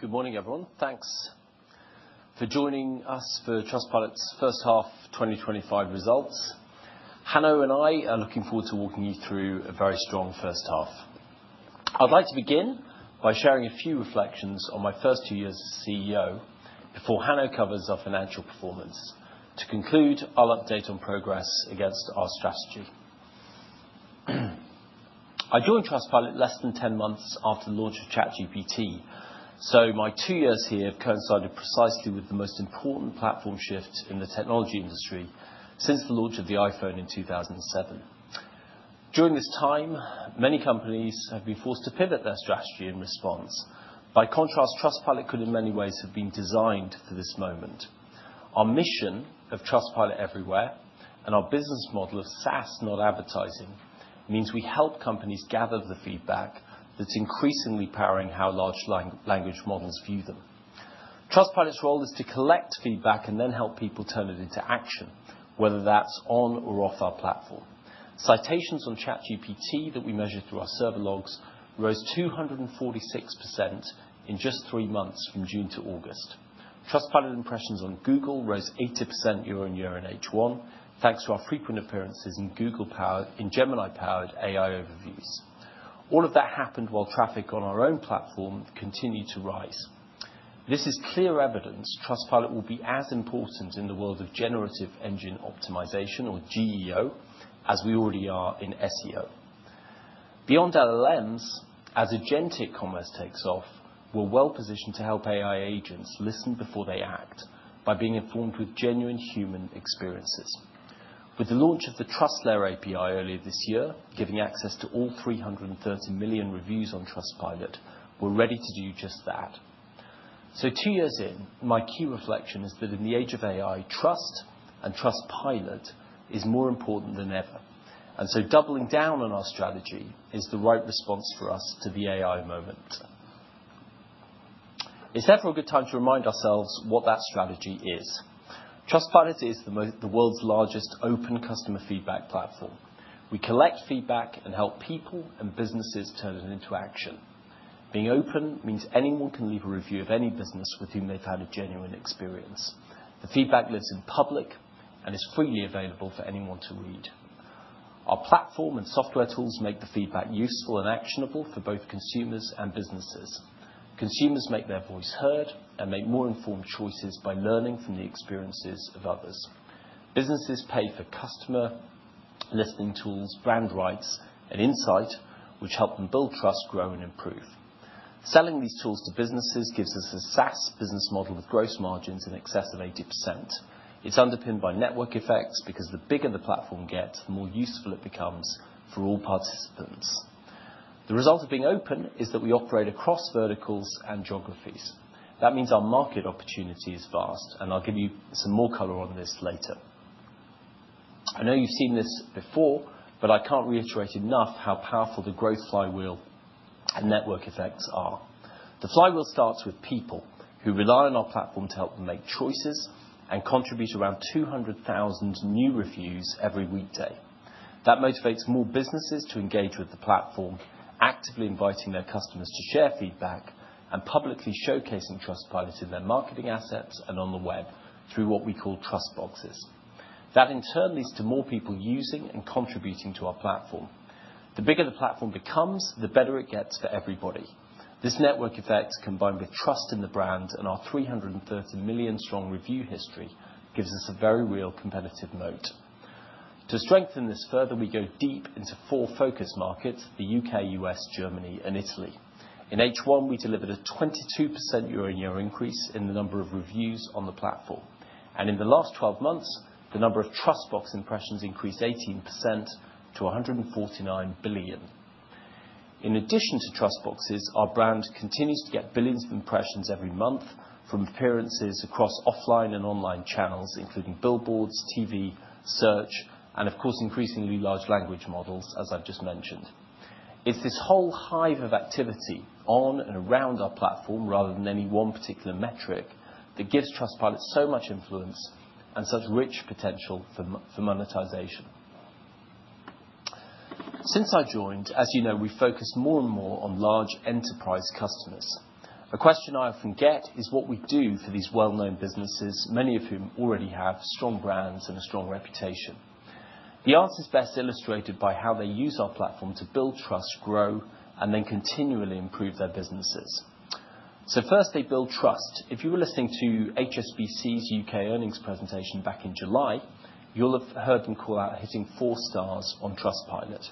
Good morning, everyone. Thanks for joining us for Trustpilot's First Half 2025 Results. Hanno and I are looking forward to walking you through a very strong first half. I'd like to begin by sharing a few reflections on my first two years as CEO before Hanno covers our financial performance. To conclude, I'll update on progress against our strategy. I joined Trustpilot less than 10 months after the launch of ChatGPT, so my two years here have coincided precisely with the most important platform shift in the technology industry since the launch of the iPhone in 2007. During this time, many companies have been forced to pivot their strategy in response. By contrast, Trustpilot could, in many ways, have been designed for this moment. Our mission of Trustpilot Everywhere and our business model of SaaS, not advertising, means we help companies gather the feedback that's increasingly powering how large language models view them. Trustpilot's role is to collect feedback and then help people turn it into action, whether that's on or off our platform. Citations on ChatGPT that we measure through our server logs rose 246% in just three months from June to August. Trustpilot impressions on Google rose 80% year-on-year in H1, thanks to our frequent appearances in Gemini-powered AI Overviews. All of that happened while traffic on our own platform continued to rise. This is clear evidence Trustpilot will be as important in the world of Generative Engine Optimization, or GEO, as we already are in SEO. Beyond LLMs, as agentic commerce takes off, we're well positioned to help AI agents listen before they act by being informed with genuine human experiences. With the launch of the TrustLayer API earlier this year, giving access to all 330 million reviews on Trustpilot, we're ready to do just that. So, two years in, my key reflection is that in the age of AI, trust and Trustpilot is more important than ever. And so, doubling down on our strategy is the right response for us to the AI moment. It's therefore a good time to remind ourselves what that strategy is. Trustpilot is the world's largest open customer feedback platform. We collect feedback and help people and businesses turn it into action. Being open means anyone can leave a review of any business with whom they've had a genuine experience. The feedback lives in public and is freely available for anyone to read. Our platform and software tools make the feedback useful and actionable for both consumers and businesses. Consumers make their voice heard and make more informed choices by learning from the experiences of others. Businesses pay for customer listening tools, brand rights, and insight, which help them build trust, grow, and improve. Selling these tools to businesses gives us a SaaS business model with gross margins in excess of 80%. It's underpinned by network effects because the bigger the platform gets, the more useful it becomes for all participants. The result of being open is that we operate across verticals and geographies. That means our market opportunity is vast, and I'll give you some more color on this later. I know you've seen this before, but I can't reiterate enough how powerful the growth flywheel and network effects are. The flywheel starts with people who rely on our platform to help them make choices and contribute around 200,000 new reviews every weekday. That motivates more businesses to engage with the platform, actively inviting their customers to share feedback and publicly showcasing Trustpilot in their marketing assets and on the web through what we call TrustBoxes. That, in turn, leads to more people using and contributing to our platform. The bigger the platform becomes, the better it gets for everybody. This network effect, combined with trust in the brand and our 330 million strong review history, gives us a very real competitive moat. To strengthen this further, we go deep into four focus markets: the U.K., U.S., Germany, and Italy. In H1, we delivered a 22% year-on-year increase in the number of reviews on the platform, and in the last 12 months, the number of TrustBox impressions increased 18% to 149 billion. In addition to TrustBoxes, our brand continues to get billions of impressions every month from appearances across offline and online channels, including billboards, TV, search, and, of course, increasingly large language models, as I've just mentioned. It's this whole hive of activity on and around our platform, rather than any one particular metric, that gives Trustpilot so much influence and such rich potential for monetization. Since I joined, as you know, we focus more and more on large enterprise customers. A question I often get is what we do for these well-known businesses, many of whom already have strong brands and a strong reputation. The answer is best illustrated by how they use our platform to build trust, grow, and then continually improve their businesses. So first, they build trust. If you were listening to HSBC's U.K. earnings presentation back in July, you'll have heard them call out hitting four stars on Trustpilot.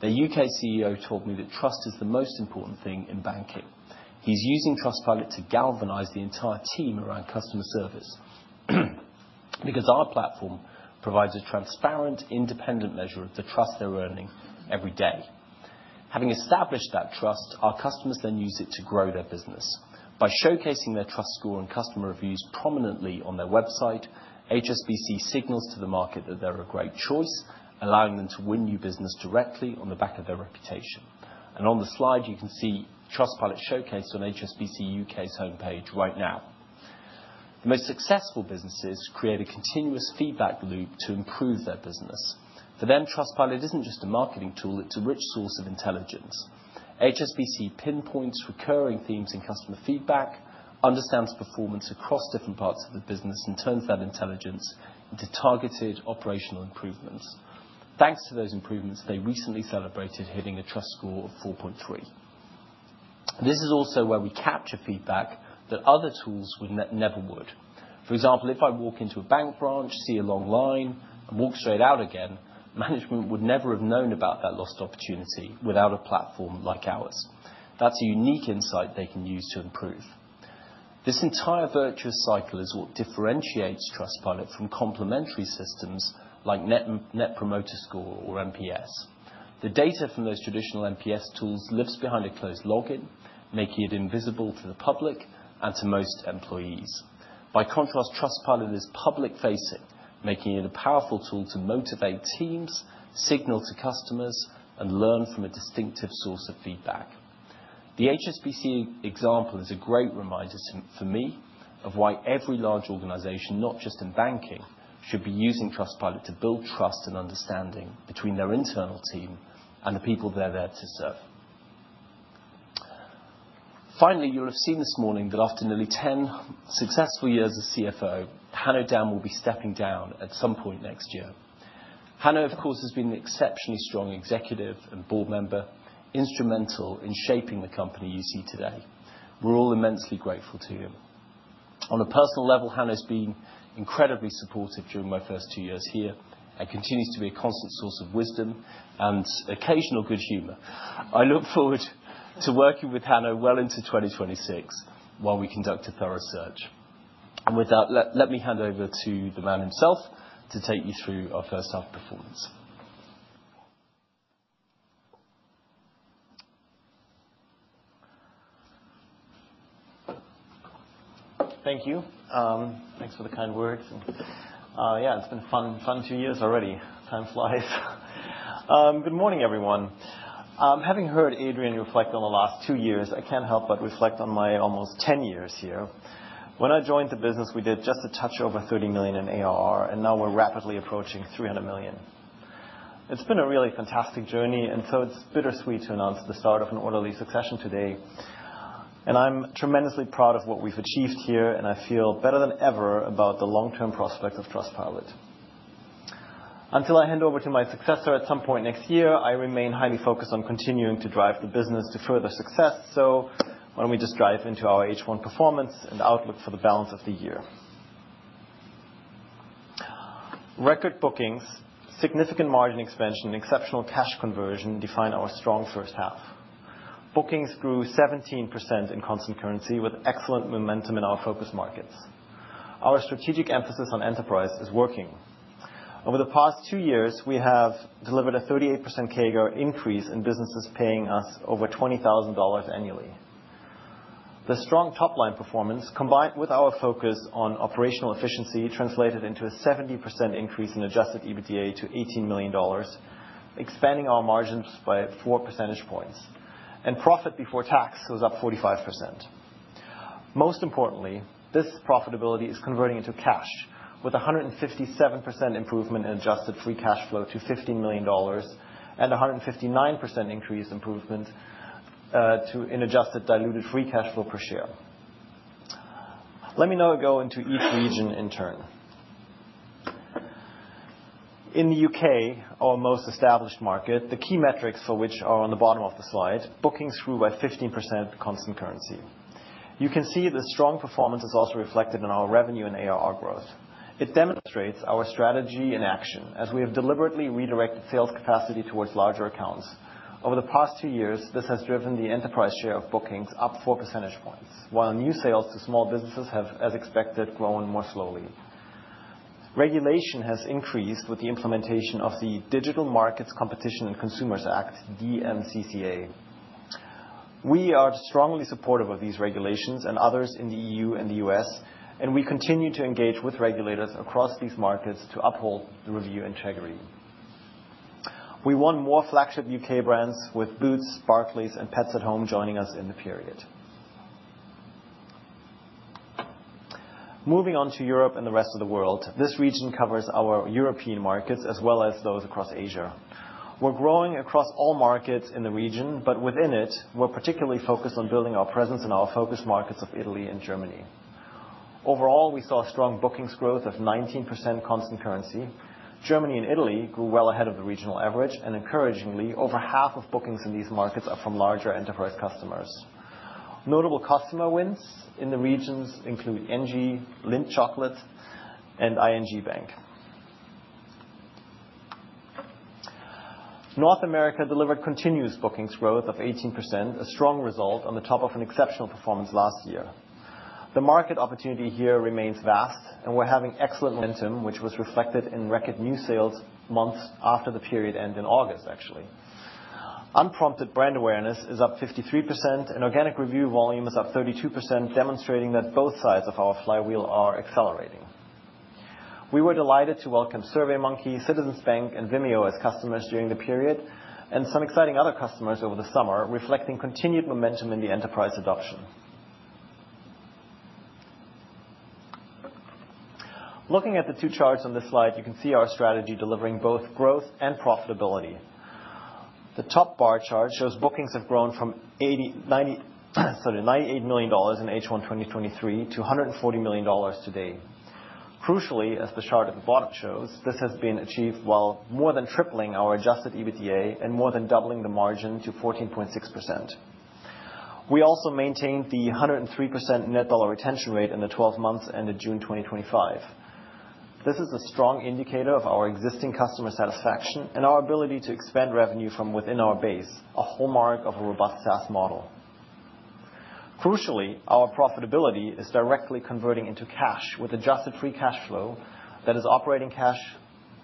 Their U.K. CEO told me that trust is the most important thing in banking. He's using Trustpilot to galvanize the entire team around customer service because our platform provides a transparent, independent measure of the trust they're earning every day. Having established that trust, our customers then use it to grow their business. By showcasing their trust score and customer reviews prominently on their website, HSBC signals to the market that they're a great choice, allowing them to win new business directly on the back of their reputation. On the slide, you can see Trustpilot showcased on HSBC UK's homepage right now. The most successful businesses create a continuous feedback loop to improve their business. For them, Trustpilot isn't just a marketing tool. It's a rich source of intelligence. HSBC pinpoints recurring themes in customer feedback, understands performance across different parts of the business, and turns that intelligence into targeted operational improvements. Thanks to those improvements, they recently celebrated hitting a TrustScore of 4.3. This is also where we capture feedback that other tools never would. For example, if I walk into a bank branch, see a long line, and walk straight out again, management would never have known about that lost opportunity without a platform like ours. That's a unique insight they can use to improve. This entire virtuous cycle is what differentiates Trustpilot from complementary systems like Net Promoter Score or NPS. The data from those traditional NPS tools lives behind a closed login, making it invisible to the public and to most employees. By contrast, Trustpilot is public-facing, making it a powerful tool to motivate teams, signal to customers, and learn from a distinctive source of feedback. The HSBC example is a great reminder for me of why every large organization, not just in banking, should be using Trustpilot to build trust and understanding between their internal team and the people they're there to serve. Finally, you'll have seen this morning that after nearly 10 successful years as CFO, Hanno Damm will be stepping down at some point next year. Hanno, of course, has been an exceptionally strong executive and board member, instrumental in shaping the company you see today. We're all immensely grateful to him. On a personal level, Hanno's been incredibly supportive during my first two years here and continues to be a constant source of wisdom and occasional good humor. I look forward to working with Hanno well into 2026 while we conduct a thorough search. And with that, let me hand over to the man himself to take you through our first half performance. Thank you. Thanks for the kind words. And yeah, it's been a fun two years already. Time flies. Good morning, everyone. Having heard Adrian reflect on the last two years, I can't help but reflect on my almost 10 years here. When I joined the business, we did just a touch over $30 million in ARR, and now we're rapidly approaching $300 million. It's been a really fantastic journey, and so it's bittersweet to announce the start of an orderly succession today. And I'm tremendously proud of what we've achieved here, and I feel better than ever about the long-term prospect of Trustpilot. Until I hand over to my successor at some point next year, I remain highly focused on continuing to drive the business to further success. So why don't we just dive into our H1 performance and outlook for the balance of the year? Record bookings, significant margin expansion, and exceptional cash conversion define our strong first half. Bookings grew 17% in constant currency, with excellent momentum in our focus markets. Our strategic emphasis on enterprise is working. Over the past two years, we have delivered a 38% CAGR increase in businesses paying us over $20,000 annually. The strong top-line performance, combined with our focus on operational efficiency, translated into a 70% increase in adjusted EBITDA to $18 million, expanding our margins by four percentage points, and profit before tax was up 45%. Most importantly, this profitability is converting into cash, with a 157% improvement in adjusted free cash flow to $15 million and a 159% increase in adjusted diluted free cash flow per share. Let me now go into each region in turn. In the U.K., our most established market, the key metrics for which are on the bottom of the slide, bookings grew by 15% constant currency. You can see the strong performance is also reflected in our revenue and ARR growth. It demonstrates our strategy in action, as we have deliberately redirected sales capacity towards larger accounts. Over the past two years, this has driven the enterprise share of bookings up 4 percentage points, while new sales to small businesses have, as expected, grown more slowly. Regulation has increased with the implementation of the Digital Markets, Competition and Consumers Act, DMCCA. We are strongly supportive of these regulations and others in the EU and the U.S., and we continue to engage with regulators across these markets to uphold review integrity. We want more flagship U.K. brands with Boots, Barclays, and Pets at Home joining us in the period. Moving on to Europe and the rest of the world, this region covers our European markets as well as those across Asia. We're growing across all markets in the region, but within it, we're particularly focused on building our presence in our focus markets of Italy and Germany. Overall, we saw a strong bookings growth of 19% constant currency. Germany and Italy grew well ahead of the regional average, and encouragingly, over half of bookings in these markets are from larger enterprise customers. Notable customer wins in the regions include Engie, Lindt Chocolate, and ING Bank. North America delivered continuous bookings growth of 18%, a strong result on the top of an exceptional performance last year. The market opportunity here remains vast, and we're having excellent momentum, which was reflected in record new sales months after the period end in August, actually. Unprompted brand awareness is up 53%, and organic review volume is up 32%, demonstrating that both sides of our flywheel are accelerating. We were delighted to welcome SurveyMonkey, Citizens Bank, and Vimeo as customers during the period, and some exciting other customers over the summer, reflecting continued momentum in the enterprise adoption. Looking at the two charts on this slide, you can see our strategy delivering both growth and profitability. The top bar chart shows bookings have grown from $98 million in H1 2023 to $140 million today. Crucially, as the chart at the bottom shows, this has been achieved while more than tripling our adjusted EBITDA and more than doubling the margin to 14.6%. We also maintained the 103% net dollar retention rate in the 12 months ended June 2025. This is a strong indicator of our existing customer satisfaction and our ability to expand revenue from within our base, a hallmark of a robust SaaS model. Crucially, our profitability is directly converting into cash with adjusted free cash flow that is operating cash,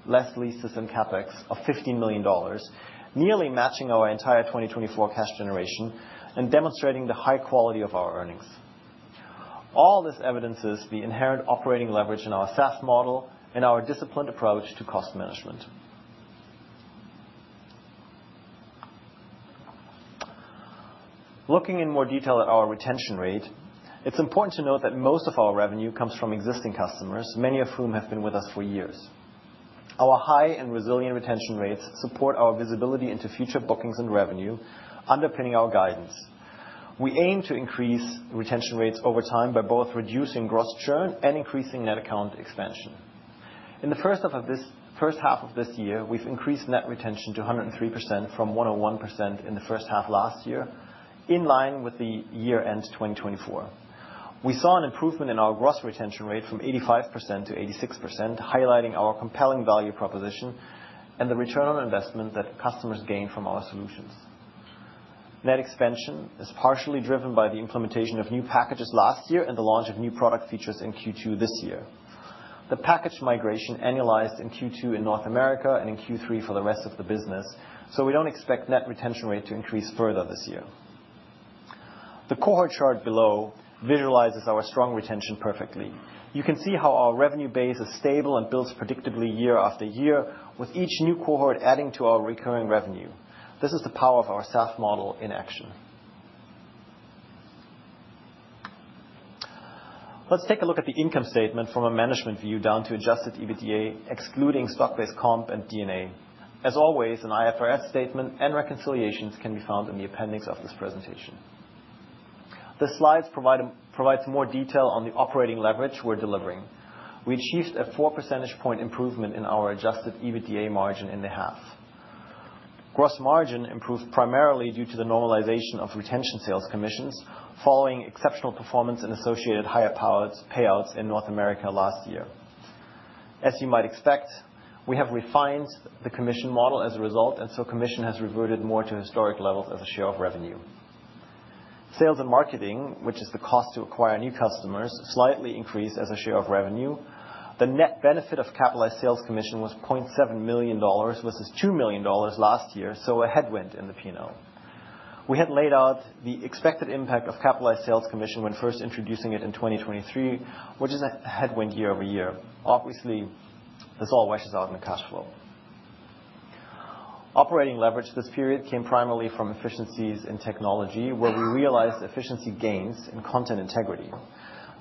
less leases, and CapEx of $15 million, nearly matching our entire 2024 cash generation and demonstrating the high quality of our earnings. All this evidences the inherent operating leverage in our SaaS model and our disciplined approach to cost management. Looking in more detail at our retention rate, it's important to note that most of our revenue comes from existing customers, many of whom have been with us for years. Our high and resilient retention rates support our visibility into future bookings and revenue, underpinning our guidance. We aim to increase retention rates over time by both reducing gross churn and increasing net account expansion. In the first half of this year, we've increased net retention to 103% from 101% in the first half last year, in line with the year-end 2024. We saw an improvement in our gross retention rate from 85% to 86%, highlighting our compelling value proposition and the return on investment that customers gain from our solutions. Net expansion is partially driven by the implementation of new packages last year and the launch of new product features in Q2 this year. The package migration annualized in Q2 in North America and in Q3 for the rest of the business, so we don't expect net retention rate to increase further this year. The cohort chart below visualizes our strong retention perfectly. You can see how our revenue base is stable and builds predictably year after year, with each new cohort adding to our recurring revenue. This is the power of our SaaS model in action. Let's take a look at the income statement from a management view down to adjusted EBITDA, excluding stock-based comp and D&A. As always, an IFRS statement and reconciliations can be found in the appendix of this presentation. The slides provide some more detail on the operating leverage we're delivering. We achieved a four percentage point improvement in our adjusted EBITDA margin in the half. Gross margin improved primarily due to the normalization of retention sales commissions following exceptional performance and associated higher payouts in North America last year. As you might expect, we have refined the commission model as a result, and so commission has reverted more to historic levels as a share of revenue. Sales and marketing, which is the cost to acquire new customers, slightly increased as a share of revenue. The net benefit of capitalized sales commission was $0.7 million versus $2 million last year, so a headwind in the P&L. We had laid out the expected impact of capitalized sales commission when first introducing it in 2023, which is a headwind year-over-year. Obviously, this all washes out in the cash flow. Operating leverage this period came primarily from efficiencies in technology, where we realized efficiency gains in content integrity.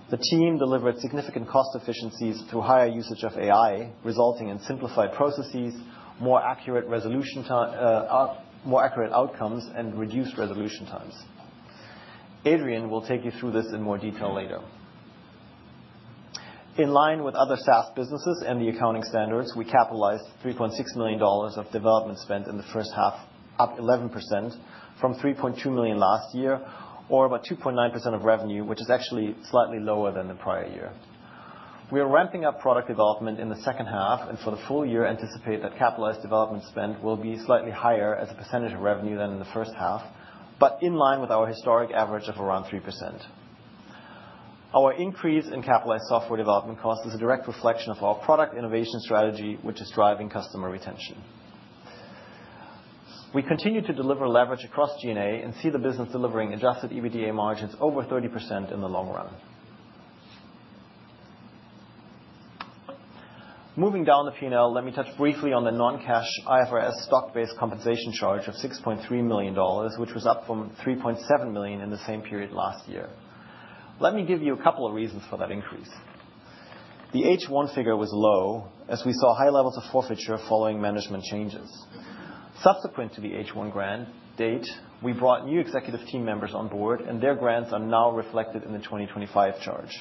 The team delivered significant cost efficiencies through higher usage of AI, resulting in simplified processes, more accurate outcomes, and reduced resolution times. Adrian will take you through this in more detail later. In line with other SaaS businesses and the accounting standards, we capitalized $3.6 million of development spent in the first half, up 11% from $3.2 million last year, or about 2.9% of revenue, which is actually slightly lower than the prior year. We are ramping up product development in the second half, and for the full year, anticipate that capitalized development spend will be slightly higher as a percentage of revenue than in the first half, but in line with our historic average of around 3%. Our increase in capitalized software development cost is a direct reflection of our product innovation strategy, which is driving customer retention. We continue to deliver leverage across G&A and see the business delivering adjusted EBITDA margins over 30% in the long run. Moving down the P&L, let me touch briefly on the non-cash IFRS stock-based compensation charge of $6.3 million, which was up from $3.7 million in the same period last year. Let me give you a couple of reasons for that increase. The H1 figure was low, as we saw high levels of forfeiture following management changes. Subsequent to the H1 grant date, we brought new executive team members on board, and their grants are now reflected in the 2025 charge.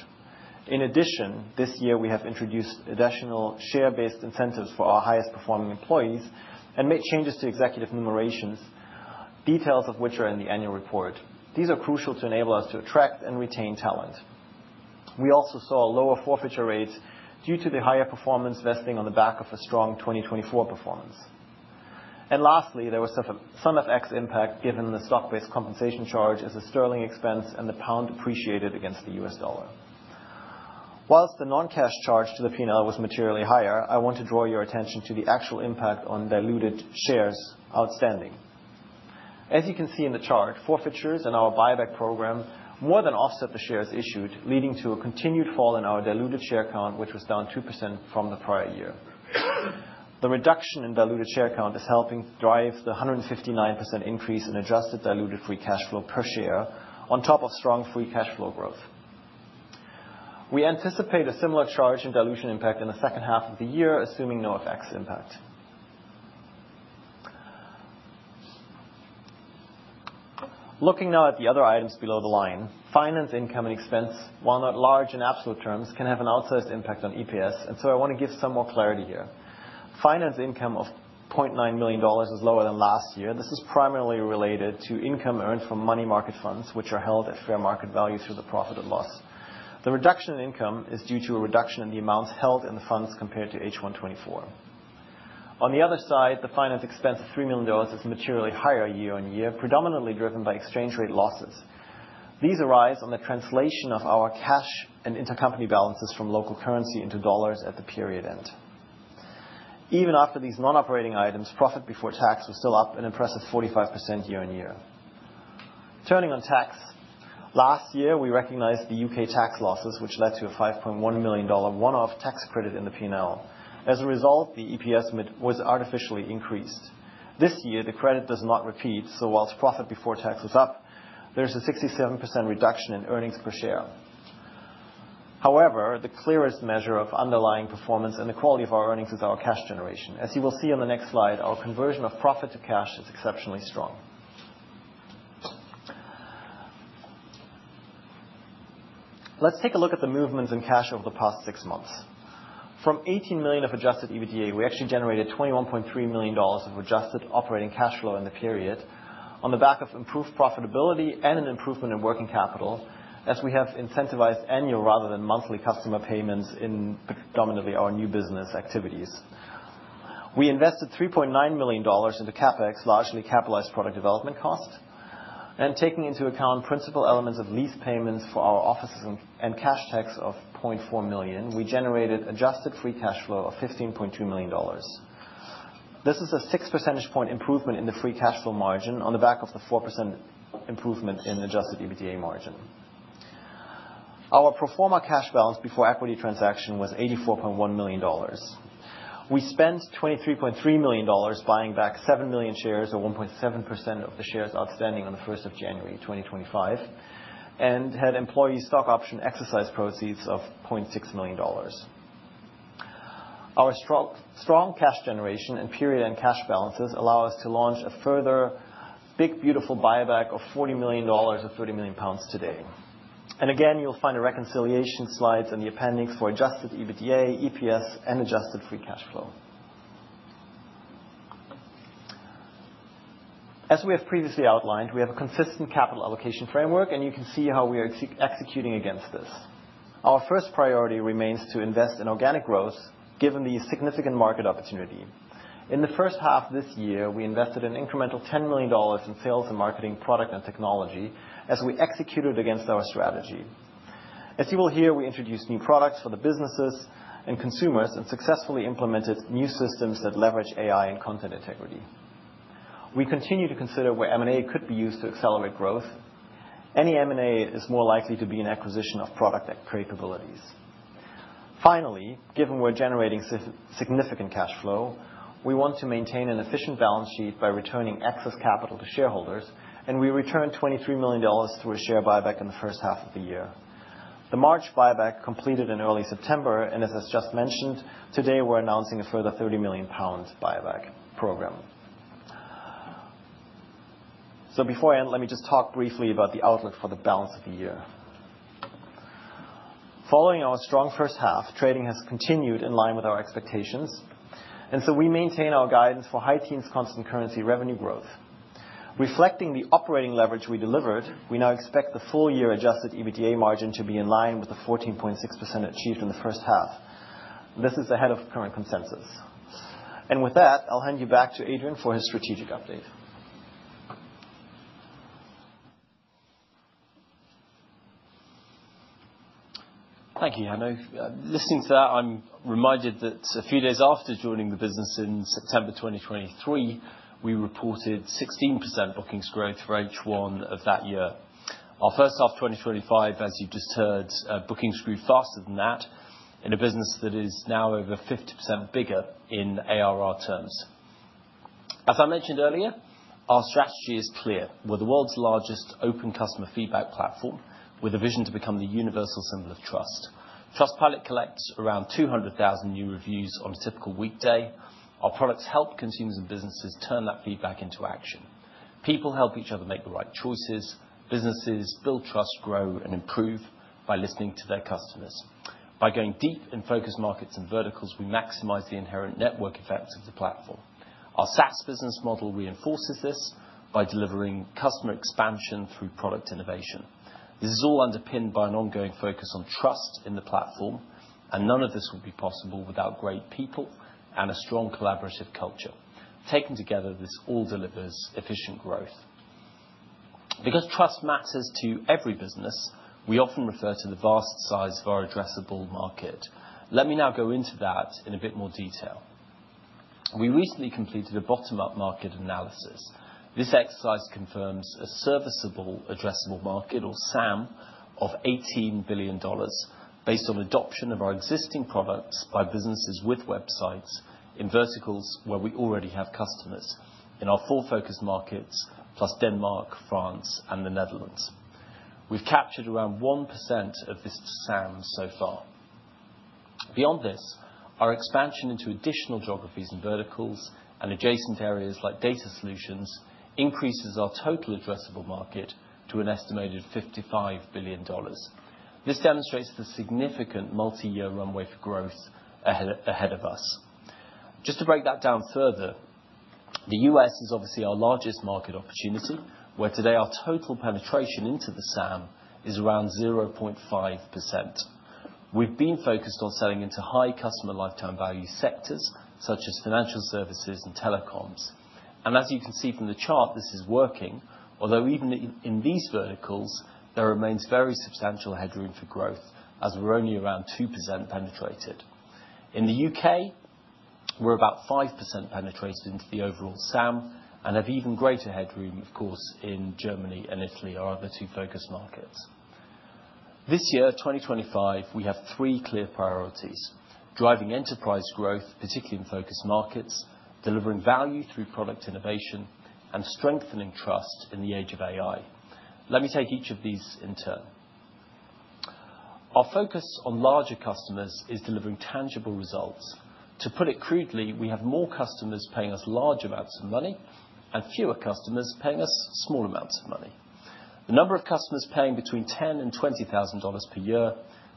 In addition, this year, we have introduced additional share-based incentives for our highest-performing employees and made changes to executive remunerations, details of which are in the annual report. These are crucial to enable us to attract and retain talent. We also saw lower forfeiture rates due to the higher performance vesting on the back of a strong 2024 performance. And lastly, there was some FX impact given the stock-based compensation charge as a sterling expense and the pound appreciated against the US dollar. Whilst the non-cash charge to the P&L was materially higher, I want to draw your attention to the actual impact on diluted shares outstanding. As you can see in the chart, forfeitures and our buyback program more than offset the shares issued, leading to a continued fall in our diluted share count, which was down 2% from the prior year. The reduction in diluted share count is helping drive the 159% increase in adjusted diluted free cash flow per share on top of strong free cash flow growth. We anticipate a similar charge and dilution impact in the second half of the year, assuming no FX impact. Looking now at the other items below the line, finance income and expense, while not large in absolute terms, can have an outsized impact on EPS, and so I want to give some more clarity here. Finance income of $0.9 million is lower than last year. This is primarily related to income earned from money market funds, which are held at fair market value through the profit and loss. The reduction in income is due to a reduction in the amounts held in the funds compared to H1 2024. On the other side, the finance expense of $3 million is materially higher year-on-year, predominantly driven by exchange rate losses. These arise on the translation of our cash and intercompany balances from local currency into dollars at the period end. Even after these non-operating items, profit before tax was still up an impressive 45% year-on-year. Turning to tax, last year, we recognized the U.K. tax losses, which led to a $5.1 million one-off tax credit in the P&L. As a result, the EPS was artificially increased. This year, the credit does not repeat, so whilst profit before tax was up, there's a 67% reduction in earnings per share. However, the clearest measure of underlying performance and the quality of our earnings is our cash generation. As you will see on the next slide, our conversion of profit to cash is exceptionally strong. Let's take a look at the movements in cash over the past six months. From $18 million of adjusted EBITDA, we actually generated $21.3 million of adjusted operating cash flow in the period on the back of improved profitability and an improvement in working capital, as we have incentivized annual rather than monthly customer payments in predominantly our new business activities. We invested $3.9 million into CapEx, largely capitalized product development cost. Taking into account principal elements of lease payments for our offices and cash tax of $0.4 million, we generated adjusted free cash flow of $15.2 million. This is a 6 percentage point improvement in the free cash flow margin on the back of the 4% improvement in adjusted EBITDA margin. Our pro forma cash balance before equity transaction was $84.1 million. We spent $23.3 million buying back 7 million shares, or 1.7% of the shares outstanding on 1 January 2025, and had employee stock option exercise proceeds of $0.6 million. Our strong cash generation and period and cash balances allow us to launch a further big, beautiful buyback of $40 million or 30 million pounds today. Again, you'll find the reconciliation slides and the appendix for adjusted EBITDA, EPS, and adjusted free cash flow. As we have previously outlined, we have a consistent capital allocation framework, and you can see how we are executing against this. Our first priority remains to invest in organic growth given the significant market opportunity. In the first half of this year, we invested an incremental $10 million in sales and marketing product and technology as we executed against our strategy. As you will hear, we introduced new products for the businesses and consumers and successfully implemented new systems that leverage AI and content integrity. We continue to consider where M&A could be used to accelerate growth. Any M&A is more likely to be an acquisition of product capabilities. Finally, given we're generating significant cash flow, we want to maintain an efficient balance sheet by returning excess capital to shareholders, and we returned $23 million through a share buyback in the first half of the year. The March buyback completed in early September, and as I just mentioned, today we're announcing a further 30 million pound buyback program. So before I end, let me just talk briefly about the outlook for the balance of the year. Following our strong first half, trading has continued in line with our expectations, and so we maintain our guidance for high-teens constant currency revenue growth. Reflecting the operating leverage we delivered, we now expect the full year adjusted EBITDA margin to be in line with the 14.6% achieved in the first half. This is ahead of current consensus. And with that, I'll hand you back to Adrian for his strategic update. Thank you, Hanno. Listening to that, I'm reminded that a few days after joining the business in September 2023, we reported 16% bookings growth for H1 of that year. Our first half of 2025, as you've just heard, bookings grew faster than that in a business that is now over 50% bigger in ARR terms. As I mentioned earlier, our strategy is clear. We're the world's largest open customer feedback platform with a vision to become the universal symbol of trust. Trustpilot collects around 200,000 new reviews on a typical weekday. Our products help consumers and businesses turn that feedback into action. People help each other make the right choices. Businesses build trust, grow, and improve by listening to their customers. By going deep in focus markets and verticals, we maximize the inherent network effects of the platform. Our SaaS business model reinforces this by delivering customer expansion through product innovation. This is all underpinned by an ongoing focus on trust in the platform, and none of this would be possible without great people and a strong collaborative culture. Taken together, this all delivers efficient growth. Because trust matters to every business, we often refer to the vast size of our addressable market. Let me now go into that in a bit more detail. We recently completed a bottom-up market analysis. This exercise confirms a serviceable addressable market, or SAM, of $18 billion based on adoption of our existing products by businesses with websites in verticals where we already have customers in our four focus markets, plus Denmark, France, and the Netherlands. We've captured around 1% of this SAM so far. Beyond this, our expansion into additional geographies and verticals and adjacent areas like data solutions increases our total addressable market to an estimated $55 billion. This demonstrates the significant multi-year runway for growth ahead of us. Just to break that down further, the U.S. is obviously our largest market opportunity, where today our total penetration into the SAM is around 0.5%. We've been focused on selling into high customer lifetime value sectors such as financial services and telecoms. And as you can see from the chart, this is working, although even in these verticals, there remains very substantial headroom for growth as we're only around 2% penetrated. In the U.K., we're about 5% penetrated into the overall SAM and have even greater headroom, of course, in Germany and Italy, our other two focus markets. This year, 2025, we have three clear priorities: driving enterprise growth, particularly in focus markets, delivering value through product innovation, and strengthening trust in the age of AI. Let me take each of these in turn. Our focus on larger customers is delivering tangible results. To put it crudely, we have more customers paying us large amounts of money and fewer customers paying us small amounts of money. The number of customers paying between $10,000 and $20,000 per year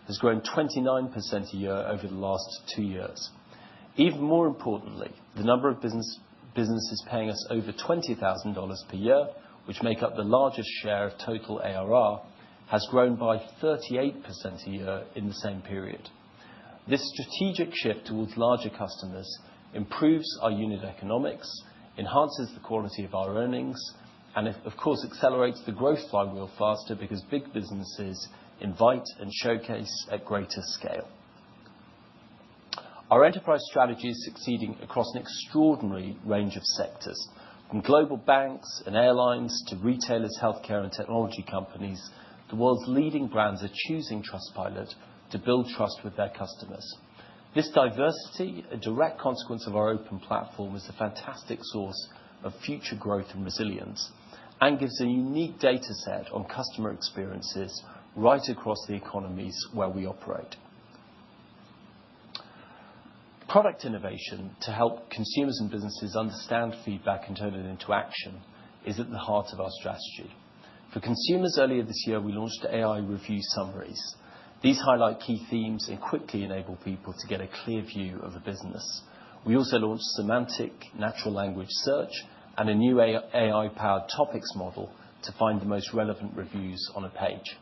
has grown 29% a year over the last two years. Even more importantly, the number of businesses paying us over $20,000 per year, which make up the largest share of total ARR, has grown by 38% a year in the same period. This strategic shift towards larger customers improves our unit economics, enhances the quality of our earnings, and, of course, accelerates the growth flywheel faster because big businesses invite and showcase at greater scale. Our enterprise strategy is succeeding across an extraordinary range of sectors. From global banks and airlines to retailers, healthcare, and technology companies, the world's leading brands are choosing Trustpilot to build trust with their customers. This diversity, a direct consequence of our open platform, is a fantastic source of future growth and resilience and gives a unique data set on customer experiences right across the economies where we operate. Product innovation to help consumers and businesses understand feedback and turn it into action is at the heart of our strategy. For consumers, earlier this year, we launched AI Review Summaries. These highlight key themes and quickly enable people to get a clear view of a business. We also launched semantic natural language search and a new AI-powered topics model to find the most relevant reviews on a page.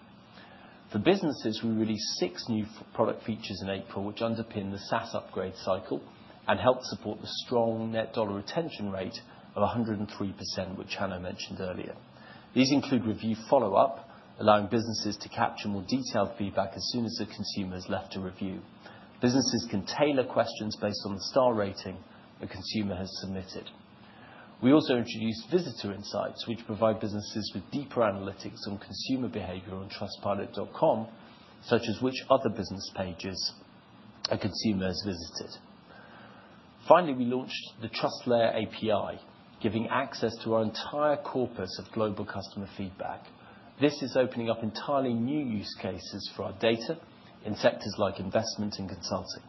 For businesses, we released six new product features in April, which underpin the SaaS upgrade cycle and help support the strong net dollar retention rate of 103%, which Hanno mentioned earlier. These include Review Follow-up, allowing businesses to capture more detailed feedback as soon as the consumer has left a review. Businesses can tailor questions based on the star rating a consumer has submitted. We also introduced Visitor Insights, which provide businesses with deeper analytics on consumer behavior on Trustpilot.com, such as which other business pages a consumer has visited. Finally, we launched the TrustLayer API, giving access to our entire corpus of global customer feedback. This is opening up entirely new use cases for our data in sectors like investment and consulting.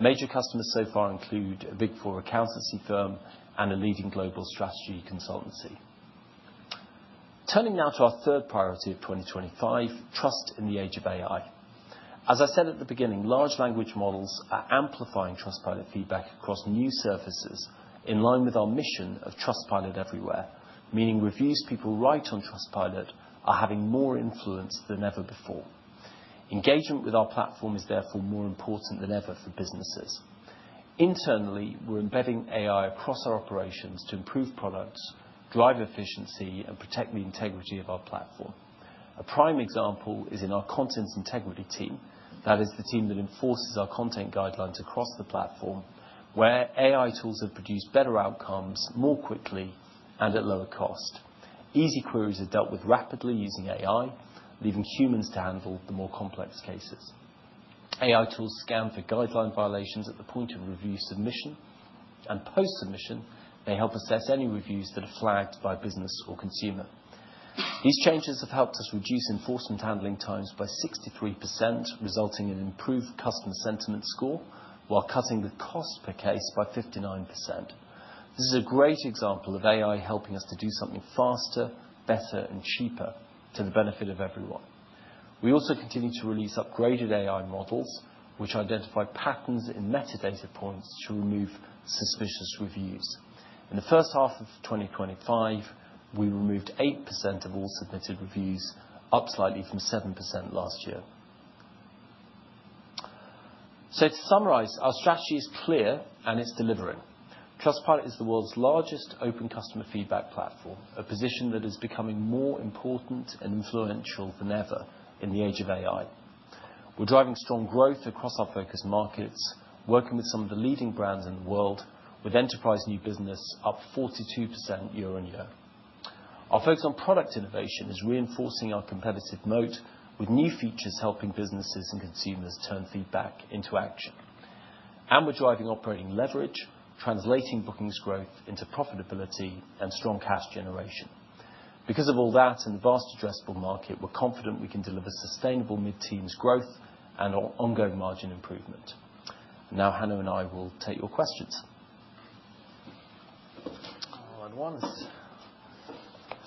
Major customers so far include a Big Four accountancy firm and a leading global strategy consultancy. Turning now to our third priority of 2025, trust in the age of AI. As I said at the beginning, large language models are amplifying Trustpilot feedback across new surfaces in line with our mission of Trustpilot Everywhere, meaning reviews people write on Trustpilot are having more influence than ever before. Engagement with our platform is therefore more important than ever for businesses. Internally, we're embedding AI across our operations to improve products, drive efficiency, and protect the integrity of our platform. A prime example is in our content integrity team. That is the team that enforces our content guidelines across the platform, where AI tools have produced better outcomes more quickly and at lower cost. Easy queries are dealt with rapidly using AI, leaving humans to handle the more complex cases. AI tools scan for guideline violations at the point of review submission, and post-submission, they help assess any reviews that are flagged by business or consumer. These changes have helped us reduce enforcement handling times by 63%, resulting in improved customer sentiment score while cutting the cost per case by 59%. This is a great example of AI helping us to do something faster, better, and cheaper to the benefit of everyone. We also continue to release upgraded AI models, which identify patterns in metadata points to remove suspicious reviews. In the first half of 2025, we removed 8% of all submitted reviews, up slightly from 7% last year. So to summarize, our strategy is clear, and it's delivering. Trustpilot is the world's largest open customer feedback platform, a position that is becoming more important and influential than ever in the age of AI. We're driving strong growth across our focus markets, working with some of the leading brands in the world, with enterprise new business up 42% year-on-year. Our focus on product innovation is reinforcing our competitive moat with new features helping businesses and consumers turn feedback into action, and we're driving operating leverage, translating bookings growth into profitability and strong cash generation. Because of all that and the vast addressable market, we're confident we can deliver sustainable mid-teens growth and ongoing margin improvement. Now, Hanno and I will take your questions. All at once.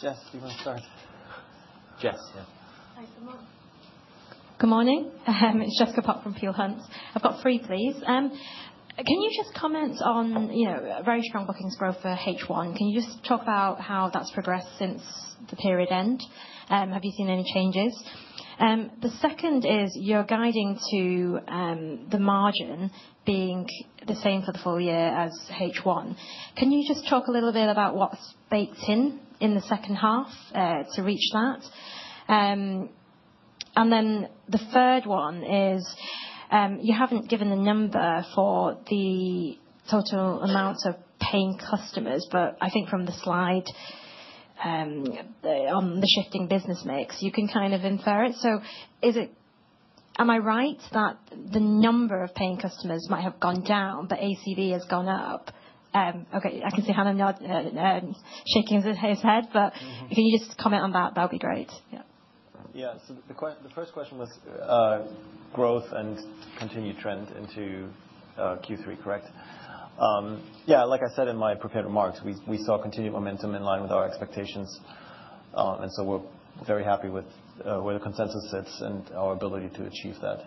Jess, do you want to start? Jess, yeah. Hi, good morning. Good morning. It's Jessica Pok from Peel Hunt. I've got three, please. Can you just comment on very strong bookings growth for H1? Can you just talk about how that's progressed since the period end? Have you seen any changes? The second is you're guiding to the margin being the same for the full year as H1. Can you just talk a little bit about what's baked in in the second half to reach that? And then the third one is you haven't given the number for the total amount of paying customers, but I think from the slide on the shifting business mix, you can kind of infer it. So am I right that the number of paying customers might have gone down, but ACV has gone up? Okay, I can see Hanno shaking his head, but if you can just comment on that, that'll be great. Yeah, so the first question was growth and continued trend into Q3, correct? Yeah, like I said in my prepared remarks, we saw continued momentum in line with our expectations, and so we're very happy with where the consensus sits and our ability to achieve that.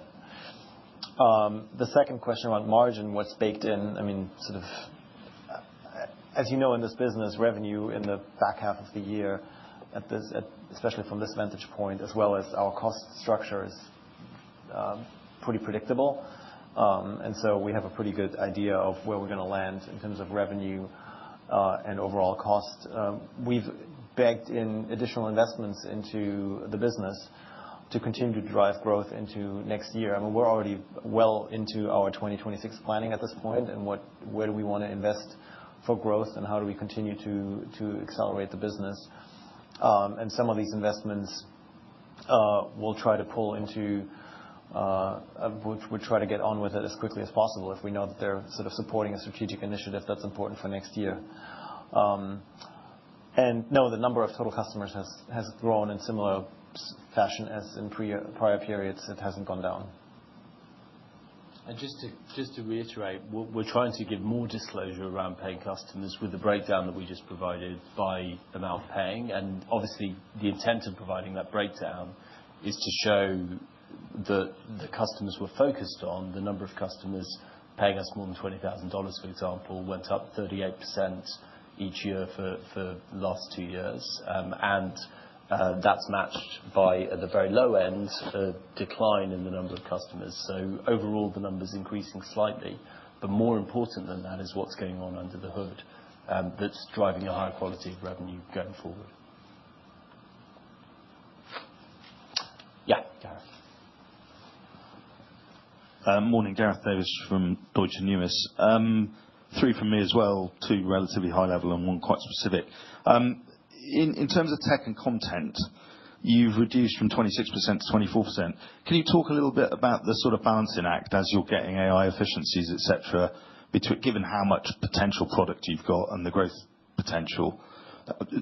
The second question around margin, what's baked in? I mean, sort of as you know, in this business, revenue in the back half of the year, especially from this vantage point, as well as our cost structure is pretty predictable, and so we have a pretty good idea of where we're going to land in terms of revenue and overall cost. We've baked in additional investments into the business to continue to drive growth into next year. I mean, we're already well into our 2026 planning at this point, and where do we want to invest for growth, and how do we continue to accelerate the business? And some of these investments we'll try to pull into, we'll try to get on with it as quickly as possible if we know that they're sort of supporting a strategic initiative that's important for next year. And no, the number of total customers has grown in similar fashion as in prior periods. It hasn't gone down. Just to reiterate, we're trying to give more disclosure around paying customers with the breakdown that we just provided by amount paying. Obviously, the intent of providing that breakdown is to show that the customers we're focused on, the number of customers paying us more than $20,000, for example, went up 38% each year for the last two years. That's matched by, at the very low end, a decline in the number of customers. Overall, the number's increasing slightly, but more important than that is what's going on under the hood that's driving a higher quality of revenue going forward. Yeah, Gareth. Morning, Gareth Davies from Deutsche Numis. Three from me as well, two relatively high level and one quite specific. In terms of tech and content, you've reduced from 26% to 24%. Can you talk a little bit about the sort of balancing act as you're getting AI efficiencies, etc., given how much potential product you've got and the growth potential,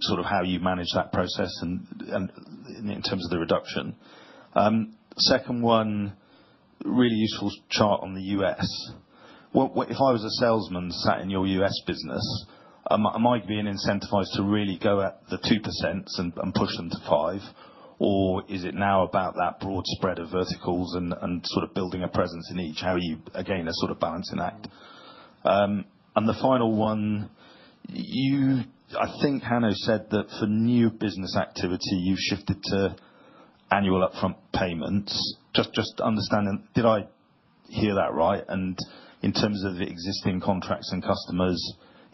sort of how you manage that process in terms of the reduction? Second one, really useful chart on the U.S. If I was a salesman sat in your U.S. business, am I being incentivized to really go at the 2% and push them to 5%, or is it now about that broad spread of verticals and sort of building a presence in each? How are you, again, a sort of balancing act? The final one, I think Hanno said that for new business activity, you've shifted to annual upfront payments. Just understanding, did I hear that right? In terms of existing contracts and customers,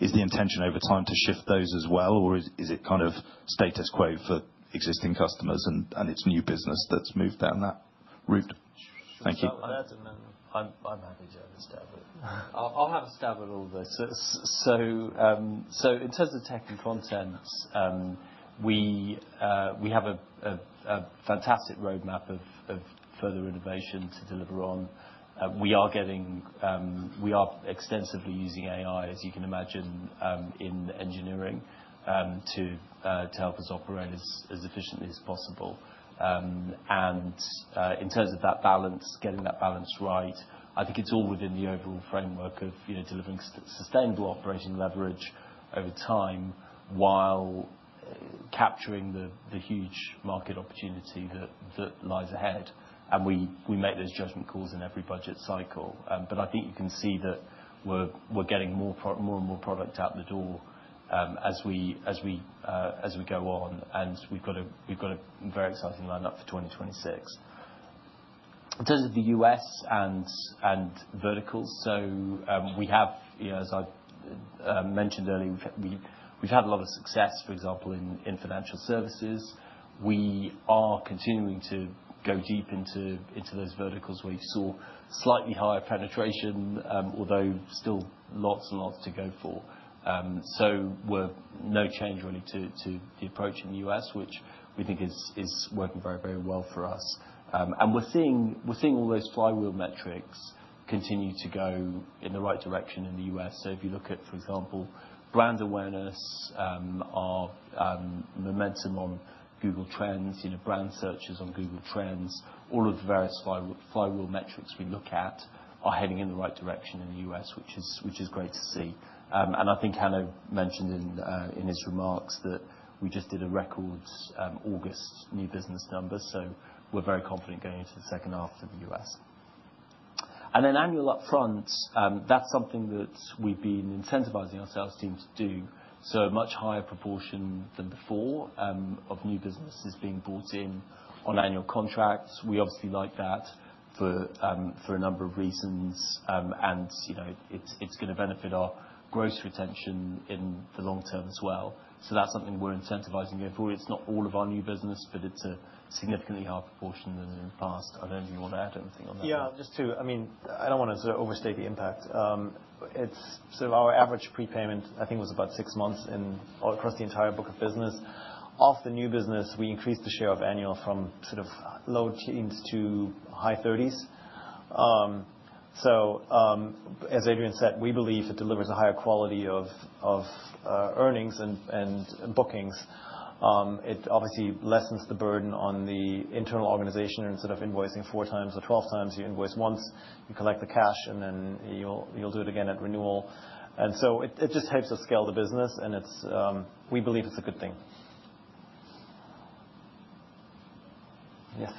is the intention over time to shift those as well, or is it kind of status quo for existing customers and it's new business that's moved down that route? Thank you. I'm happy to have a stab at it. I'll have a stab at all of this. So in terms of tech and content, we have a fantastic roadmap of further innovation to deliver on. We are extensively using AI, as you can imagine, in engineering to help us operate as efficiently as possible. And in terms of that balance, getting that balance right, I think it's all within the overall framework of delivering sustainable operating leverage over time while capturing the huge market opportunity that lies ahead. And we make those judgment calls in every budget cycle. But I think you can see that we're getting more and more product out the door as we go on, and we've got a very exciting lineup for 2026. In terms of the U.S. and verticals, so we have, as I mentioned earlier, we've had a lot of success, for example, in financial services. We are continuing to go deep into those verticals where you saw slightly higher penetration, although still lots and lots to go for. So no change really to the approach in the U.S., which we think is working very, very well for us. And we're seeing all those flywheel metrics continue to go in the right direction in the U.S. So if you look at, for example, brand awareness, our momentum on Google Trends, brand searches on Google Trends, all of the various flywheel metrics we look at are heading in the right direction in the U.S., which is great to see. And I think Hanno mentioned in his remarks that we just did a record August new business numbers, so we're very confident going into the second half for the U.S. And then annual upfront, that's something that we've been incentivizing our sales team to do. So a much higher proportion than before of new business is being bought in on annual contracts. We obviously like that for a number of reasons, and it's going to benefit our gross retention in the long term as well. So that's something we're incentivizing going forward. It's not all of our new business, but it's a significantly higher proportion than in the past. I don't think you want to add anything on that. Yeah, just two. I mean, I don't want to sort of overstate the impact. It's sort of our average prepayment, I think, was about six months across the entire book of business. Off the new business, we increased the share of annual from sort of low teens to high 30s. So as Adrian said, we believe it delivers a higher quality of earnings and bookings. It obviously lessens the burden on the internal organization instead of invoicing four times or twelve times. You invoice once, you collect the cash, and then you'll do it again at renewal. And so it just helps us scale the business, and we believe it's a good thing. Yes.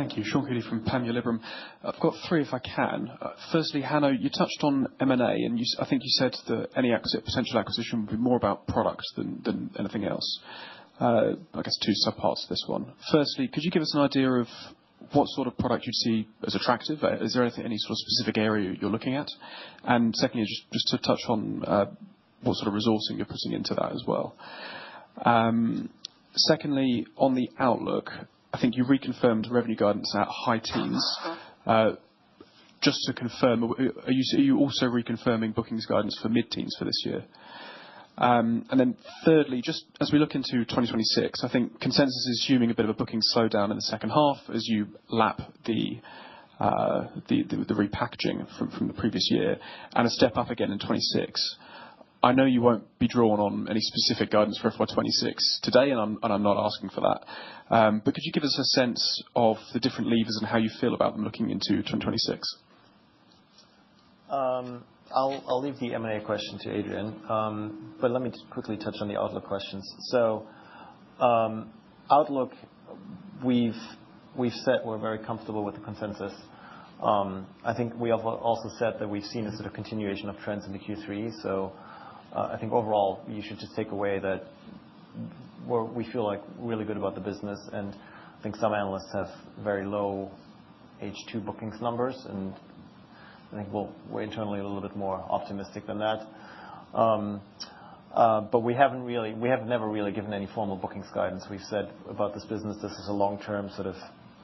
Thank you. Sean Kealy from Panmure Liberum. I've got three if I can. Firstly, Hanno, you touched on M&A, and I think you said that any potential acquisition would be more about products than anything else. I guess two subparts to this one. Firstly, could you give us an idea of what sort of product you'd see as attractive? Is there any sort of specific area you're looking at? And secondly, just to touch on what sort of resourcing you're putting into that as well. Secondly, on the outlook, I think you reconfirmed revenue guidance at high teens. Just to confirm, are you also reconfirming bookings guidance for mid-teens for this year? Then thirdly, just as we look into 2026, I think consensus is assuming a bit of a booking slowdown in the second half as you lap the repackaging from the previous year and a step up again in 2026. I know you won't be drawn on any specific guidance for FY 2026 today, and I'm not asking for that. But could you give us a sense of the different levers and how you feel about them looking into 2026? I'll leave the M&A question to Adrian, but let me quickly touch on the Outlook questions. So Outlook, we've said we're very comfortable with the consensus. I think we have also said that we've seen a sort of continuation of trends in the Q3. So I think overall, you should just take away that we feel like really good about the business. And I think some analysts have very low H2 bookings numbers, and I think we're internally a little bit more optimistic than that. But we haven't really given any formal bookings guidance. We've said about this business, this is a long-term sort of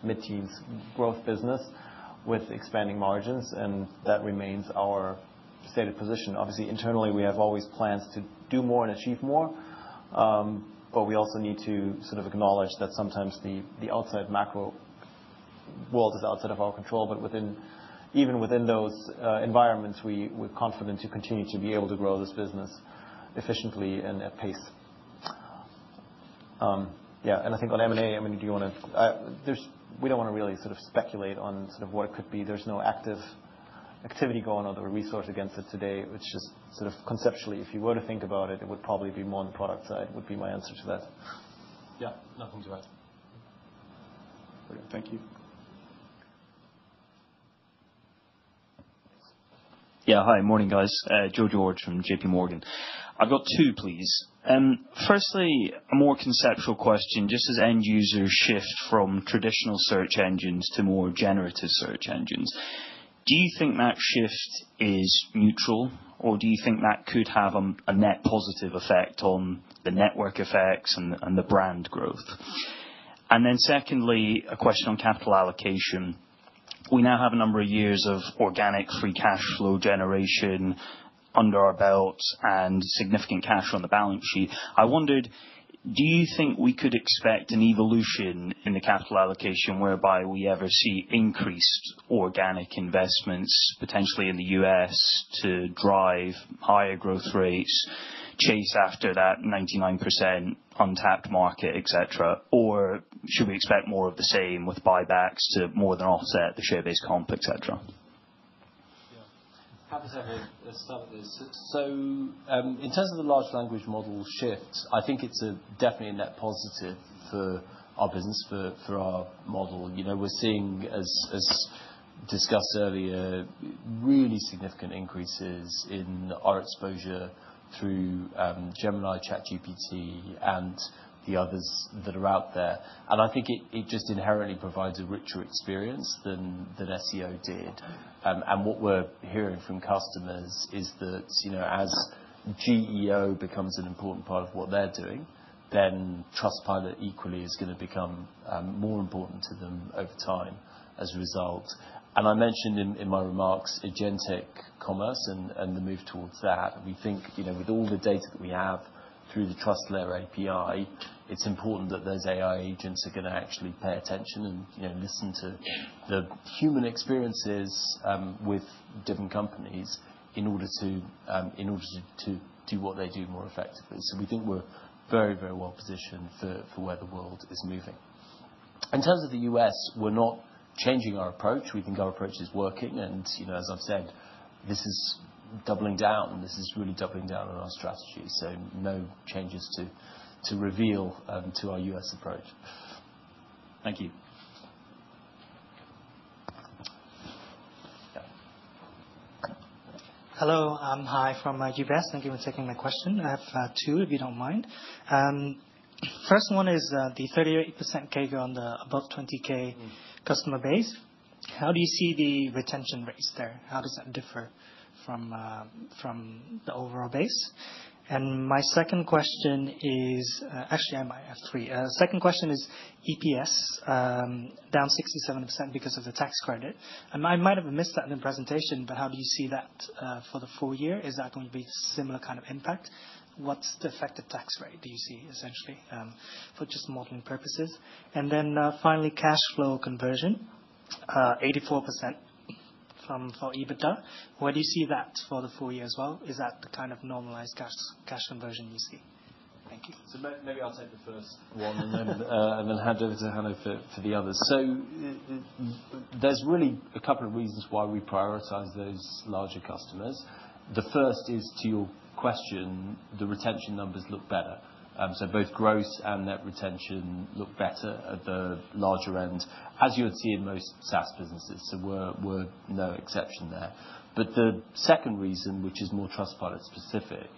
mid-teens growth business with expanding margins, and that remains our stated position. Obviously, internally, we have always plans to do more and achieve more, but we also need to sort of acknowledge that sometimes the outside macro world is outside of our control. But even within those environments, we're confident to continue to be able to grow this business efficiently and at pace. Yeah, and I think on M&A, I mean, do you want to. We don't want to really sort of speculate on sort of what it could be. There's no active activity going on or resource against it today. It's just sort of conceptually, if you were to think about it, it would probably be more on the product side, would be my answer to that. Yeah, nothing to add. Brilliant. Thank you. Yeah, hi, morning guys. Joe George from JPMorgan. I've got two, please. Firstly, a more conceptual question. Just as end users shift from traditional search engines to more generative search engines, do you think that shift is neutral, or do you think that could have a net positive effect on the network effects and the brand growth? And then secondly, a question on capital allocation. We now have a number of years of organic free cash flow generation under our belts and significant cash on the balance sheet. I wondered, do you think we could expect an evolution in the capital allocation whereby we ever see increased organic investments potentially in the U.S. to drive higher growth rates, chase after that 99% untapped market, etc.? Or should we expect more of the same with buybacks to more than offset the share-based comp, etc.? Yeah. Can I just have a stab at this? So in terms of the large language model shift, I think it's definitely a net positive for our business, for our model. We're seeing, as discussed earlier, really significant increases in our exposure through Gemini, ChatGPT, and the others that are out there. And I think it just inherently provides a richer experience than SEO did. And what we're hearing from customers is that as GEO becomes an important part of what they're doing, then Trustpilot equally is going to become more important to them over time as a result. And I mentioned in my remarks agentic commerce and the move towards that. We think with all the data that we have through the TrustLayer API, it's important that those AI agents are going to actually pay attention and listen to the human experiences with different companies in order to do what they do more effectively, so we think we're very, very well positioned for where the world is moving. In terms of the U.S., we're not changing our approach. We think our approach is working, and as I've said, this is doubling down. This is really doubling down on our strategy, so no changes to reveal to our U.S. approach. Thank you. Hello. I'm Hai from UBS. Thank you for taking my question. I have two, if you don't mind. First one is the 38% CAGR on the above 20000 customer base. How do you see the retention rates there? How does that differ from the overall base? And my second question is actually, I might have three. Second question is EPS down 67% because of the tax credit. I might have missed that in the presentation, but how do you see that for the full year? Is that going to be a similar kind of impact? What's the effective tax rate do you see, essentially, for just modeling purposes? And then finally, cash flow conversion, 84% from EBITDA. Where do you see that for the full year as well? Is that the kind of normalized cash conversion you see? Thank you. So maybe I'll take the first one and then hand over to Hanno for the others, so there's really a couple of reasons why we prioritize those larger customers. The first is, to your question, the retention numbers look better, so both gross and net retention look better at the larger end, as you would see in most SaaS businesses, so we're no exception there, but the second reason, which is more Trustpilot specific,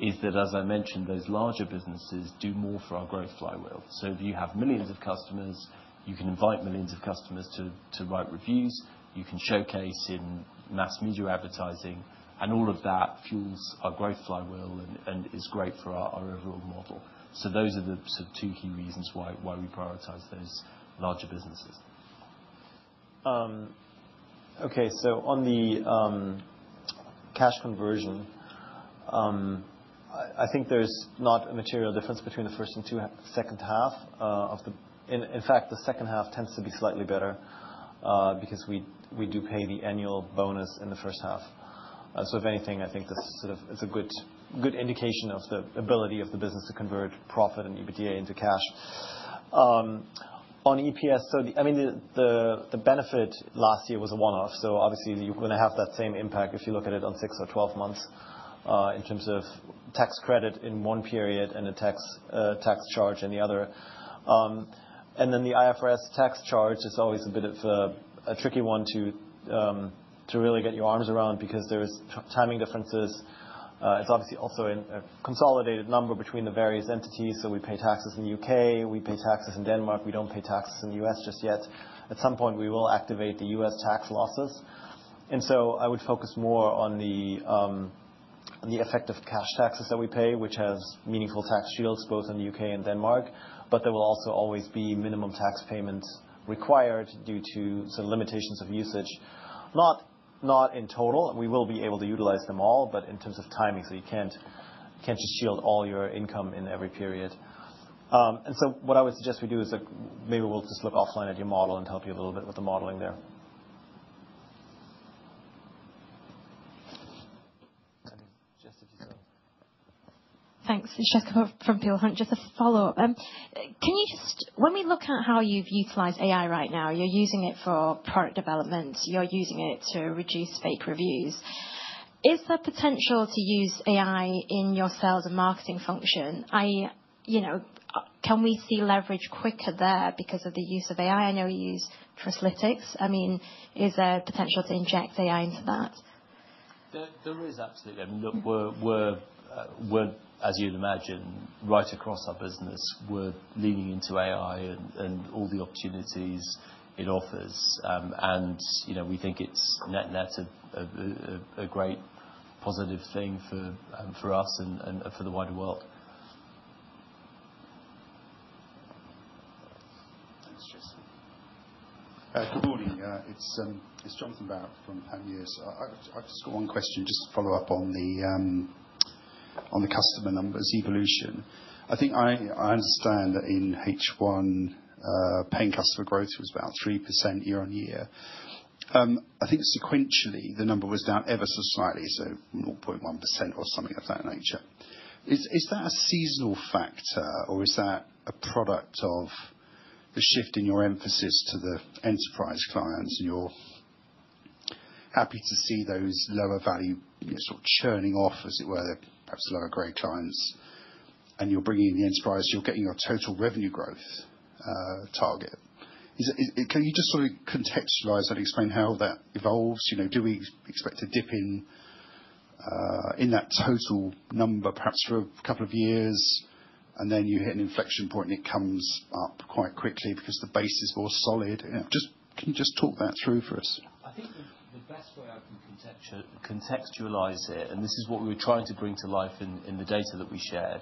is that, as I mentioned, those larger businesses do more for our growth flywheel, so if you have millions of customers, you can invite millions of customers to write reviews. You can showcase in mass media advertising, and all of that fuels our growth flywheel and is great for our overall model, so those are the sort of two key reasons why we prioritize those larger businesses. Okay, so on the cash conversion, I think there's not a material difference between the first and second half. In fact, the second half tends to be slightly better because we do pay the annual bonus in the first half. So if anything, I think this is sort of a good indication of the ability of the business to convert profit and EBITDA into cash. On EPS, so I mean, the benefit last year was a one-off. So obviously, you're going to have that same impact if you look at it on six or twelve months in terms of tax credit in one period and a tax charge in the other. And then the IFRS tax charge is always a bit of a tricky one to really get your arms around because there are timing differences. It's obviously also a consolidated number between the various entities. We pay taxes in the U.K. We pay taxes in Denmark. We don't pay taxes in the U.S. just yet. At some point, we will activate the U.S. tax losses. And so I would focus more on the effective cash taxes that we pay, which has meaningful tax shields both in the U.K. and Denmark. But there will also always be minimum tax payments required due to sort of limitations of usage. Not in total. We will be able to utilize them all, but in terms of timing, so you can't just shield all your income in every period. And so what I would suggest we do is maybe we'll just look offline at your model and help you a little bit with the modeling there. Thanks. Jessica Pok from Peel Hunt. Just a follow-up. When we look at how you've utilized AI right now, you're using it for product development. You're using it to reduce fake reviews. Is there potential to use AI in your sales and marketing function? Can we see leverage quicker there because of the use of AI? I know you use Trustlytics. I mean, is there potential to inject AI into that? There is absolutely. I mean, as you'd imagine, right across our business, we're leaning into AI and all the opportunities it offers, and we think it's net-net a great positive thing for us and for the wider world. Good morning. It's Jonathan Baird from Panmure. I've just got one question, just to follow up on the customer numbers evolution. I think I understand that in H1, paying customer growth was about 3% year-on-year. I think sequentially, the number was down ever so slightly, so 0.1% or something of that nature. Is that a seasonal factor, or is that a product of the shift in your emphasis to the enterprise clients? And you're happy to see those lower value sort of churning off, as it were, perhaps lower-grade clients, and you're bringing in the enterprise, you're getting your total revenue growth target. Can you just sort of contextualize that and explain how that evolves? Do we expect a dip in that total number, perhaps for a couple of years, and then you hit an inflection point and it comes up quite quickly because the base is more solid? Can you just talk that through for us? I think the best way I can contextualize it, and this is what we were trying to bring to life in the data that we shared,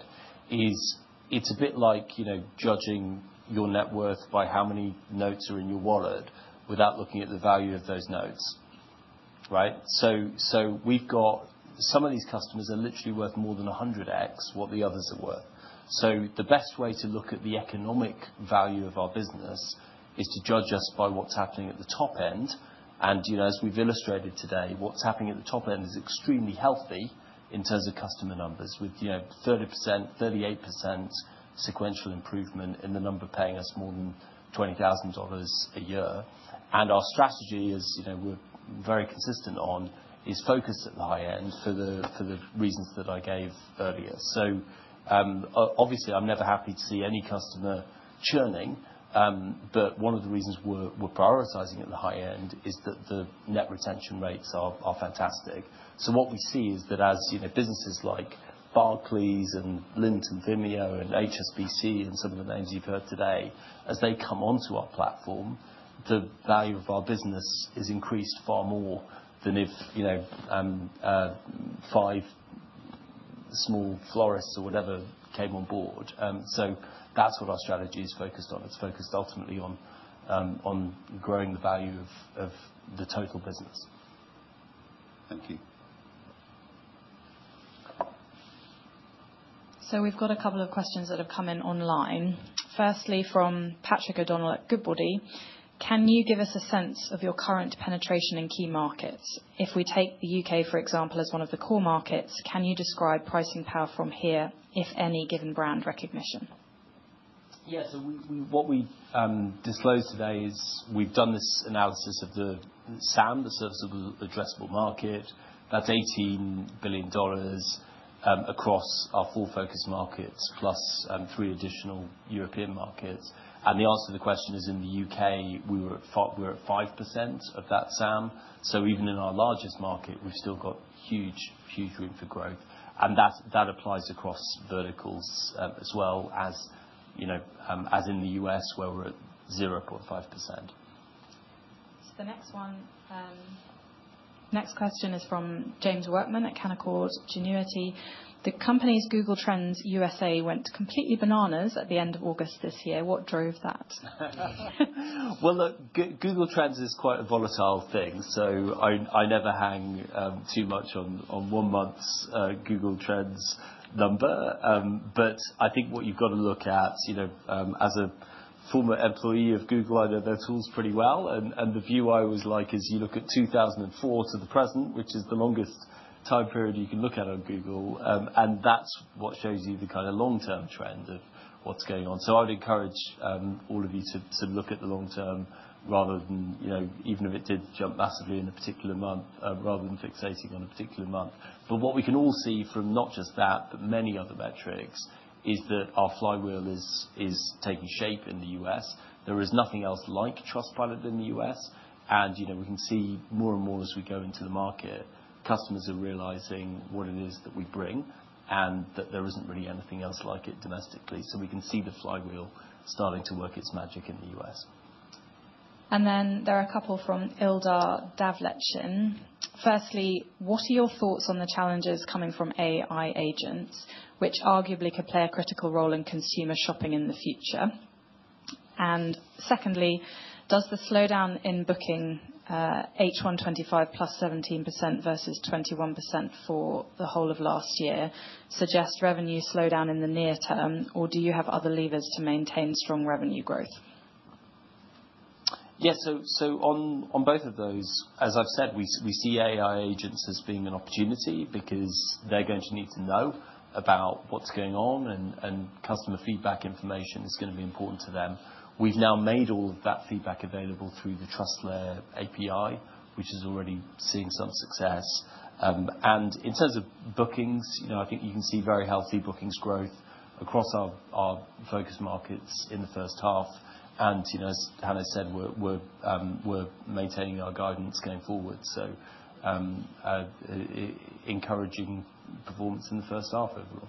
is it's a bit like judging your net worth by how many notes are in your wallet without looking at the value of those notes, right? So some of these customers are literally worth more than 100x what the others are worth. So the best way to look at the economic value of our business is to judge us by what's happening at the top end. And as we've illustrated today, what's happening at the top end is extremely healthy in terms of customer numbers, with 30%, 38% sequential improvement in the number paying us more than $20,000 a year. And our strategy is we're very consistent on is focused at the high end for the reasons that I gave earlier. So obviously, I'm never happy to see any customer churning, but one of the reasons we're prioritizing at the high end is that the net retention rates are fantastic. So what we see is that as businesses like Barclays and Lindt and Vimeo and HSBC and some of the names you've heard today, as they come onto our platform, the value of our business is increased far more than if five small florists or whatever came on board. So that's what our strategy is focused on. It's focused ultimately on growing the value of the total business. Thank you. We've got a couple of questions that have come in online. Firstly, from Patrick O'Donnell at Goodbody, can you give us a sense of your current penetration in key markets? If we take the U.K., for example, as one of the core markets, can you describe pricing power from here, if any, given brand recognition? Yeah. So what we've disclosed today is we've done this analysis of the SAM, the Serviceable Addressable Market. That's $18 billion across our four focus markets, plus three additional European markets. And the answer to the question is in the U.K., we're at 5% of that SAM. So even in our largest market, we've still got huge, huge room for growth. And that applies across verticals as well as in the U.S., where we're at 0.5%. So the next question is from James Workman at Canaccord Genuity. The company's Google Trends USA went completely bananas at the end of August this year. What drove that? Look, Google Trends is quite a volatile thing, so I never hang too much on one month's Google Trends number, but I think what you've got to look at, as a former employee of Google, I know their tools pretty well, and the view I always like is you look at 2004 to the present, which is the longest time period you can look at on Google, and that's what shows you the kind of long-term trend of what's going on, so I would encourage all of you to look at the long-term rather than even if it did jump massively in a particular month, rather than fixating on a particular month, but what we can all see from not just that, but many other metrics, is that our flywheel is taking shape in the U.S. There is nothing else like Trustpilot in the U.S. We can see more and more as we go into the market, customers are realizing what it is that we bring and that there isn't really anything else like it domestically. We can see the flywheel starting to work its magic in the U.S. And then there are a couple from Ildar Davletshin. Firstly, what are your thoughts on the challenges coming from AI agents, which arguably could play a critical role in consumer shopping in the future? And secondly, does the slowdown in bookings H1 25 +17% versus 21% for the whole of last year suggest revenue slowdown in the near term, or do you have other levers to maintain strong revenue growth? Yes. So on both of those, as I've said, we see AI agents as being an opportunity because they're going to need to know about what's going on, and customer feedback information is going to be important to them. We've now made all of that feedback available through the TrustLayer API, which is already seeing some success. And in terms of bookings, I think you can see very healthy bookings growth across our focus markets in the first half. And as Hanno said, we're maintaining our guidance going forward. So encouraging performance in the first half overall.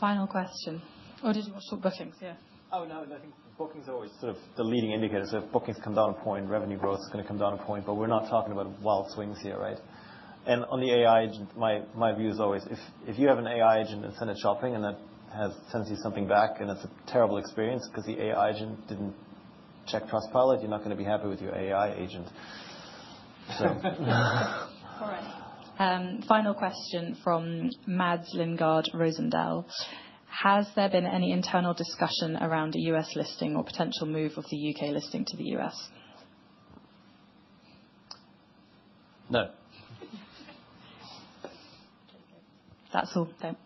Final question. Oh, did you want to talk bookings? Yeah. Oh, no. I think bookings are always sort of the leading indicator. So if bookings come down a point, revenue growth is going to come down a point, but we're not talking about wild swings here, right? And on the AI agent, my view is always if you have an AI agent and send it shopping and that sends you something back and it's a terrible experience because the AI agent didn't check Trustpilot, you're not going to be happy with your AI agent. All right. Final question from Mads Lynggaard Rosendal. Has there been any internal discussion around a U.S. listing or potential move of the U.K. listing to the U.S.? No. That's all. Thank you.